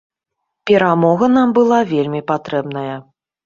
Перамога нам была вельмі патрэбная.